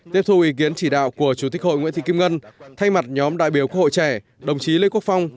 tiếp thu ý kiến chỉ đạo của chủ tịch hội nguyễn thị kim ngân thay mặt nhóm đại biểu quốc hội trẻ đồng chí lê quốc phong